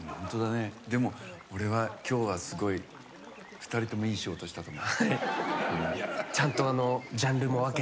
でも、俺は今日はすごい２人ともいい仕事したと思う。